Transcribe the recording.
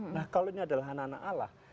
nah kalau ini adalah anak anak allah